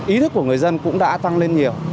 ý thức của người dân cũng đã tăng lên nhiều